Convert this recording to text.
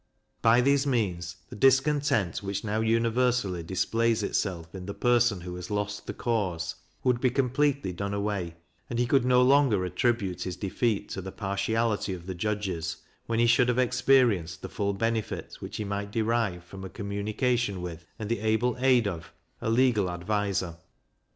By these means the discontent which now universally displays itself in the person who has lost the cause, would be completely done away, and he could no longer attribute his defeat to the partiality of the judges, when he should have experienced the full benefit which he might derive from a communication with, and the able aid of, a legal adviser.